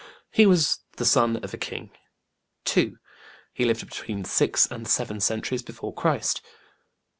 He was the son of a king. 2. He lived between six and seven centuries before Christ.